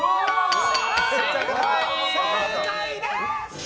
正解です！